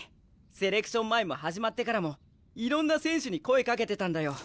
セレクション前も始まってからもいろんな選手に声かけてたんだよ。